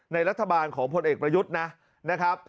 รัฐบาลของพลเอกประยุทธ์นะครับ